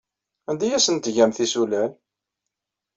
Anda ay asent-tgam tisulal?